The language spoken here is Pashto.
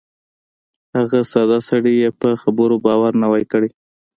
هغه ساده سړي یې په خبرو باور نه وای کړی.